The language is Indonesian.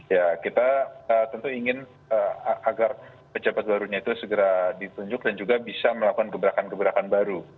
ya kita tentu ingin agar pejabat barunya itu segera ditunjuk dan juga bisa melakukan gebrakan gebrakan baru